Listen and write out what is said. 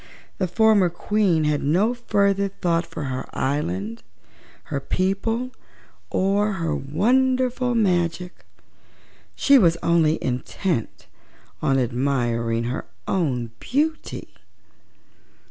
The former Queen had no further thought for her island, her people, or her wonderful magic; she was only intent on admiring her own beauty.